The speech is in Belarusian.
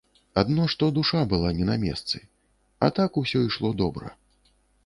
Адно што душа была не на месцы, а так усё ішло добра.